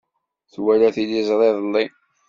Twala tiliẓri iḍelli.